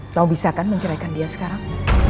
kau bisa kan menceraikan dia sekarang